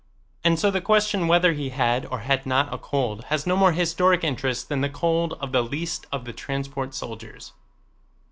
And so the question whether he had or had not a cold has no more historic interest than the cold of the least of the transport soldiers.